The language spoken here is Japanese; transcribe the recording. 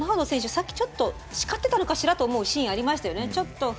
さっき叱ってたのかしらというシーンがありましたよね。